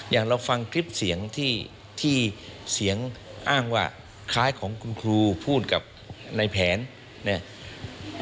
อย่างเราฟังคลิปเสียงที่เสียงอ้างว่าคล้ายของคุณครูพูดกับในแผนเนี่ย